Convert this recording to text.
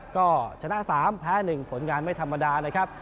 ก็ชนะ๓แพ้๑ผลงานไม่ธรรมดานะครับ